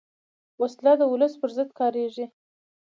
وسله د ولس پر ضد کارېږي